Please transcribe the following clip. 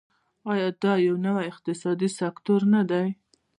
آیا دا یو نوی اقتصادي سکتور نه دی؟